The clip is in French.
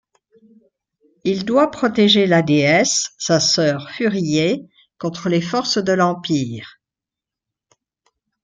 Il doit protéger la Déesse, sa sœur Furiae, contre les forces de l'Empire.